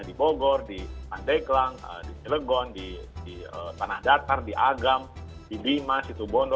di bogor di andeklang di cilegon di tanah jatar di agam di bimas di tubondo